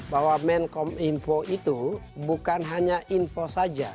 bahwa menkom info itu bukan hanya info saja